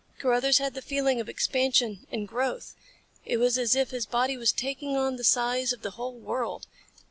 Carruthers had the feeling of expansion and growth. It was as if his body was taking on the size of the whole world.